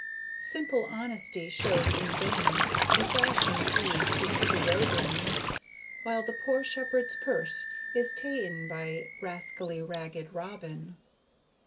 Simple honesty shows in vain A fashion few seek to robe in, While the poor SHEPHERD'S PURSE is ta'en By rascally RAGGED ROBIN.